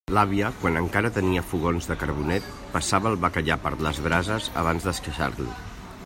L'àvia, quan encara tenia fogons de carbonet, passava el bacallà per les brases abans d'esqueixar-lo.